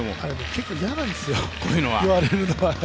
結構嫌なんですよ、言われるのは。